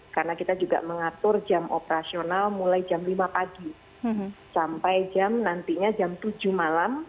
karena kita juga mengatur jam operasional mulai jam lima pagi sampai jam nantinya jam tujuh malam